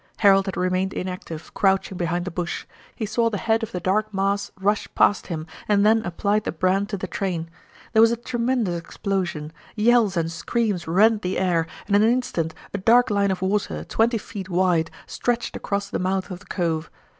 Harold had remained inactive, crouching behind the bush. He saw the head of the dark mass rush past him and then applied the brand to the train. There was a tremendous explosion. Yells and screams rent the air, and in an instant a dark line of water, twenty feet wide, stretched across the mouth of the cove.